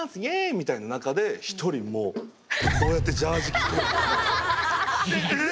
みたいな中で１人もうこうやってジャージ着てええ！